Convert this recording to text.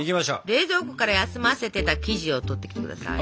冷蔵庫から休ませてた生地を取ってきて下さい。